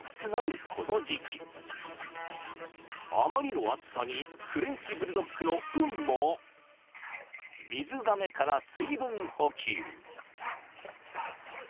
［あまりの暑さにフレンチブルドッグのウンも水がめから水分補給］